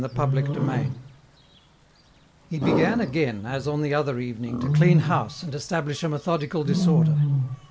CHAPTER XIII He began again, as on the other evening, to clean house and establish a methodical disorder.